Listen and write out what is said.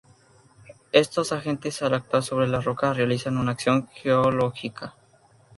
Estos agentes, al actuar sobre las rocas, realizan una acción geológica.